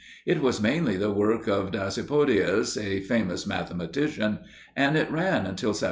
It was mainly the work of Dasypodius, a famous mathematician, and it ran until 1789.